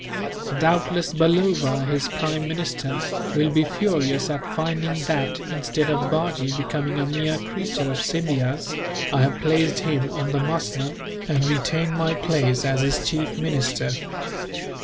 Doubtless Balloba, his prime minister, will be furious at finding that, instead of Bajee becoming a mere creature of Scindia's, I have placed him on the musnud, and retain my place as his chief minister.